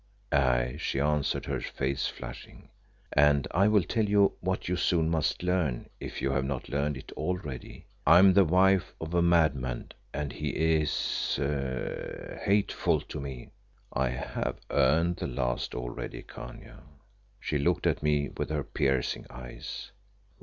"Aye," she answered, her face flushing. "And I will tell you what you soon must learn, if you have not learned it already, I am the wife of a madman, and he is hateful to me." "I have learned the last already, Khania." She looked at me with her piercing eyes.